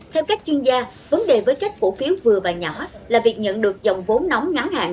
theo các chuyên gia vấn đề với các cổ phiếu vừa và nhỏ là việc nhận được dòng vốn nóng ngắn hạn